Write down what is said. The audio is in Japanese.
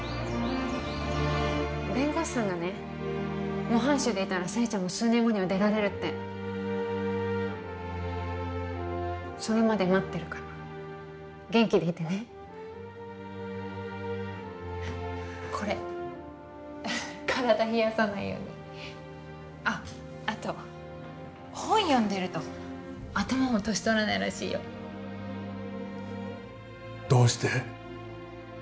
弁護士さんがね模範囚でいたら征ちゃんも数年後には出られるってそれまで待ってるから元気でいてねこれ体冷やさないようにあっあと本読んでると頭も年とらないらしいよどうして？